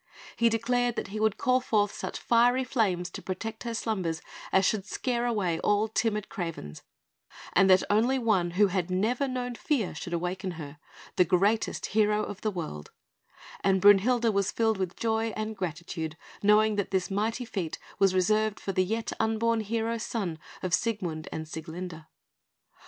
He declared that he would call forth such fiery flames to protect her slumbers as should scare away all timid cravens, and that only one who had never known fear should awaken her the greatest hero of the world; and Brünhilde was filled with joy and gratitude, knowing that this mighty feat was reserved for the yet unborn hero son of Siegmund and Sieglinde.